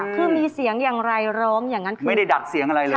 คือมีเสียงอย่างไรร้อมไม่ได้ดักเสียงอะไรเลย